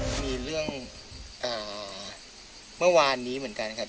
มีเรื่องเมื่อวานนี้เหมือนกันครับ